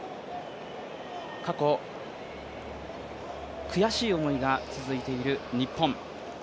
過去悔しい思いが続いている日本。